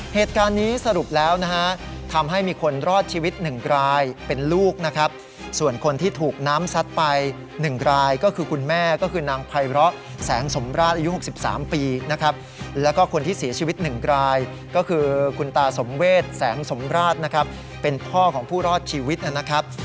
เหตุการณ์นี้สรุปแล้วนะฮะทำให้มีคนรอดชีวิต๑รายเป็นลูกนะครับส่วนคนที่ถูกน้ำซัดไป๑รายก็คือคุณแม่ก็คือนางไพร้อแสงสมราชอายุ๖๓ปีนะครับแล้วก็คนที่เสียชีวิต๑รายก็คือคุณตาสมเวศแสงสมราชนะครับเป็นพ่อของผู้รอดชีวิตนะครับ